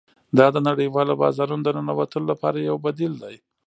دا د نړیوالو بازارونو د ننوتلو لپاره یو بدیل دی